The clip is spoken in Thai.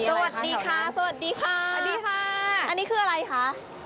สวัสดีค่ะสวัสดีค่ะสวัสดีค่ะอันนี้คืออะไรคะ